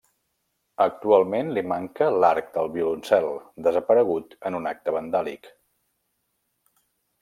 Actualment li manca l'arc del violoncel, desaparegut en un acte vandàlic.